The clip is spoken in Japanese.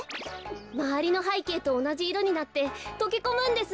まわりのはいけいとおなじいろになってとけこむんです。